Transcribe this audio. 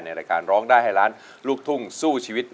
รายการร้องได้ให้ล้านลูกทุ่งสู้ชีวิต